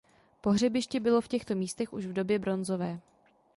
Pohřebiště bylo v těchto místech už v době bronzové.